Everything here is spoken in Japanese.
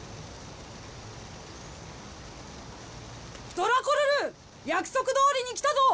ドラコルル！約束どおりに来たぞ！